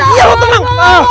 iya lu tenang